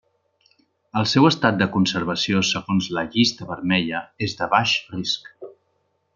El seu estat de conservació segons la Llista Vermella és de baix risc.